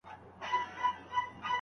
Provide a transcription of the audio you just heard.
نو ښه ښکاري.